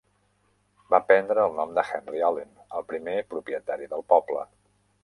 Va prendre el nom de Henry Allen, el primer propietari del poble.